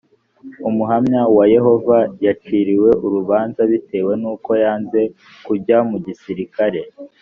umuhamya wa yehova yaciriwe urubanza bitewe n’uko yanze kujya mu gisirikare